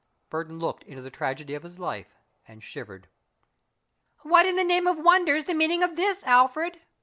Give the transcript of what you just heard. Burton looked into the tragedy of his life and shivered. "What in the name of wonder's the meaning of this, Alfred?"